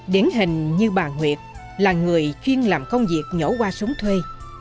điển hình như bà nguyệt là người chuyên làm công việc nhổ qua súng thuê